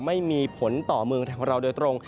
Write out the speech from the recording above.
ไม่มีผลต่อเมืองไทยของเราโดยตรง